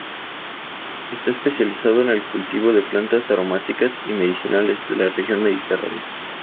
Está especializado en el cultivo de plantas aromáticas y medicinales de la región mediterránea.